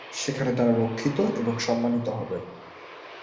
সেখানে তারা রক্ষিত এবং সম্মানিত হবেন।